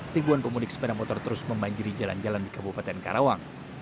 ribuan pemudik sepeda motor terus membanjiri jalan jalan di kabupaten karawang